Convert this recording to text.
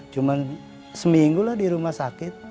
cuma seminggu lah di rumah sakit